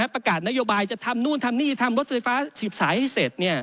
ประกาศนโยบายจะทำนู่นทำนี่ทำรถไฟฟ้า๑๐สายให้เสร็จ